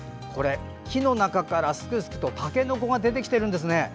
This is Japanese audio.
木の中からすくすくとたけのこが出てきているんですね。